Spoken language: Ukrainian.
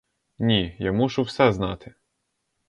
Ні, я мушу все знати!